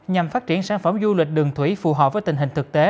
nhằm phát triển sản phẩm du lịch đường thủy phù hợp với tình hình thực tế